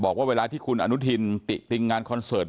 บอกว่าเวลาที่คุณอนุทินติติงงานคอนเสิร์ต